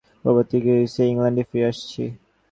পরবর্তী গ্রীষ্মে ইংলণ্ডে ফিরে আসছি।